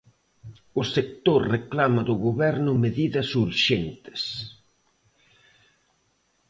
O sector reclama do Goberno medidas urxentes.